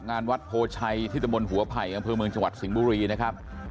งานวัดโพชัยที่ตะบนหัวไผ่อำเภอเมืองจังหวัดสิงห์บุรีนะครับ